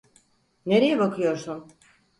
Nereye bakıyorsun?